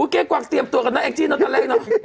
เกงกว่างเตรียมตัวกันนะไอ้จิ๊ตน้องตอนแรกน่ะ